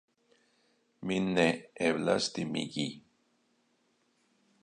Min ne eblas timigi.